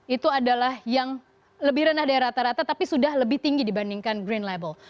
itu adalah yang lebih rendah dari rata rata tapi sudah lebih tinggi dibandingkan green label